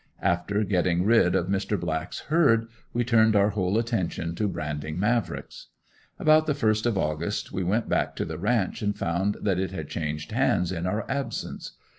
After getting rid of Mr. Black's herd we turned our whole attention to branding Mavricks. About the first of August we went back to the ranch and found that it had changed hands in our absence.